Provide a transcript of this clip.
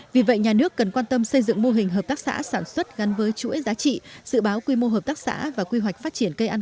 vì vậy nhà nước cần quan tâm xây dựng mô hình hợp tác xã sản xuất gắn với chuỗi giá trị dự báo quy mô hợp tác xã và quy hoạch phát triển cây ăn